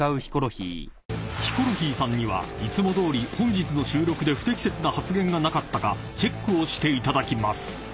［ヒコロヒーさんにはいつもどおり本日の収録で不適切な発言がなかったかチェックをしていただきます］